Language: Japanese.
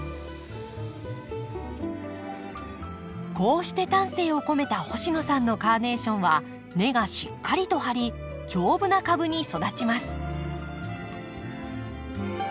こうして丹精を込めた星野さんのカーネーションは根がしっかりと張り丈夫な株に育ちます。